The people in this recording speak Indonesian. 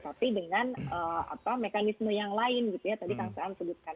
tapi dengan mekanisme yang lain gitu ya tadi kang saan sebutkan